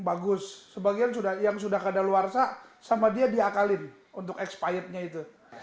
sebagian masih ada yang bagus sebagian yang sudah kadaluarsa sama dia diakalin untuk expired nya itu